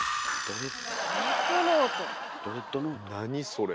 何それ？